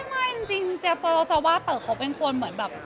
ไม่จริงเราจะว่าเต๋อเขาเป็นคนเหมือนแบบ